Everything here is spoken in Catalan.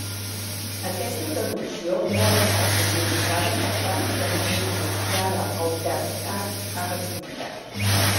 Aquesta traducció no ha estat utilitzada per pràcticament ningú, i ara el TERMCAT ha rectificat.